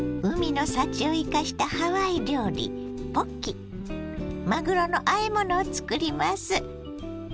海の幸を生かしたハワイ料理まぐろのあえ物を作ります。